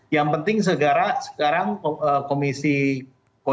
yang penting segera sekarang komisi kode eko